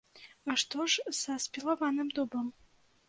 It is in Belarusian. А што ж са спілаваным дубам?